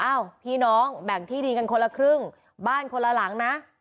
พี่น้องแบ่งที่ดินกันคนละครึ่งบ้านคนละหลังนะ